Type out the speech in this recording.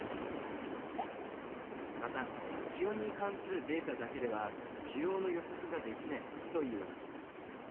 また気温に関するデータだけでは需要の予測ができないといいます。